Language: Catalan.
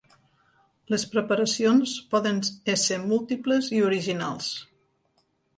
Les preparacions poden ésser múltiples i originals.